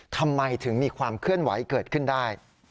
ทำไมถึงมีความเคลื่อนไหวเกิดขึ้นได้